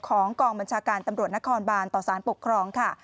กองบัญชาการตำรวจนครบานต่อสารปกครองค่ะ